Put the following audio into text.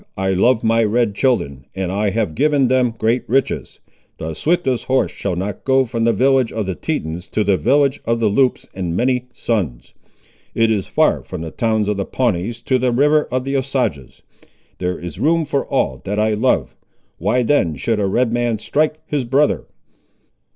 I love my red children, and I have given them great riches. The swiftest horse shall not go from the village of the Tetons to the village of the Loups in many suns. It is far from the towns of the Pawnees to the river of the Osages. There is room for all that I love. Why then should a Red man strike his brother?"